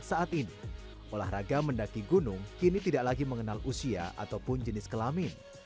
saat ini olahraga mendaki gunung kini tidak lagi mengenal usia ataupun jenis kelamin